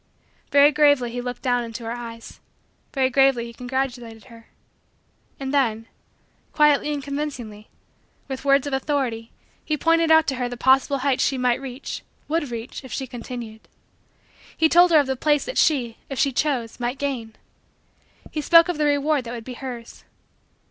Very gravely lie looked down into her eyes. Very gravely he congratulated her. And then, quietly and convincingly, with words of authority, he pointed out to her the possible heights she might reach would reach if she continued. He told her of the place that she, if she chose, might gain. He spoke of the reward that would be hers.